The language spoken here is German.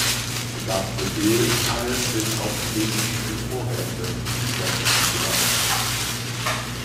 Er gab Befehl, alles bis auf die Lebensmittelvorräte niederbrennen zu lassen.